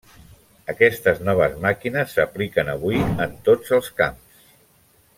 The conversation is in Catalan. Aquestes noves màquines s'apliquen avui en tots els camps.